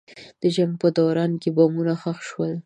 د جنګ په دوران کې بمونه ښخ شول.